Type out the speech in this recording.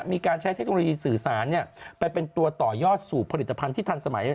มีการใช้เทคโนโลยีสื่อสารไปเป็นตัวต่อยอดสู่ผลิตภัณฑ์ที่ทันสมัย